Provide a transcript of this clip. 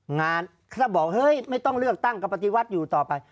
งานถ้าบอกเฮ้ยไม่ต้องเลือกตั้งก็ปฏิวัติอยู่ต่อไป